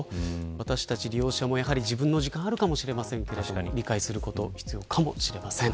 私たち利用者も自分の時間があるかもしれませんが理解することが必要かもしれません。